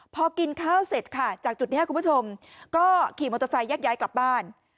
พอกินข้าวเสร็จค่ะจากจุดนี้คุณผู้ชมก็ขี่มอเตอร์ไซค์แยกย้ายกลับบ้าน